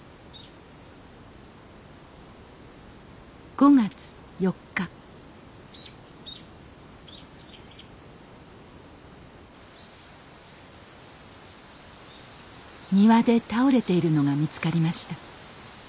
５月４日庭で倒れているのが見つかりました。